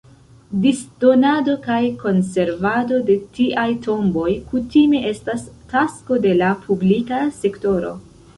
Disdonado kaj konservado de tiaj tomboj kutime estas tasko de la publika sektoro.